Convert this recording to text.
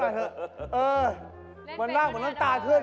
มันนั่งเหมือนน้ำตาหรอก